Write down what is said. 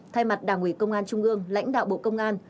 thay mặt đảng ủy công an trung ương lãnh đạo bộ công an